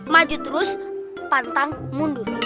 maju terus pantang mundur